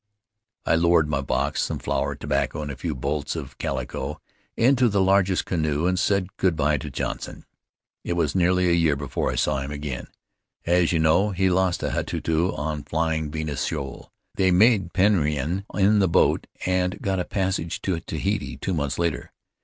I lowered my box, some flour, tobacco, and a few bolts of calico, into the largest canoe, and said good by to Johnson. "It was nearly a year before I saw him again; as you know, he lost the Hatuiu on Flying Venus Shoal. They made Penrhyn in the boat and got a passage to Tahiti two months later.